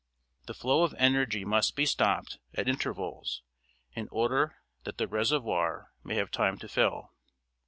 The flow of energy must be stopped at intervals in order that the reservoir may have time to fill.